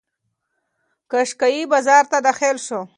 قشقایي بازار ته داخل شو.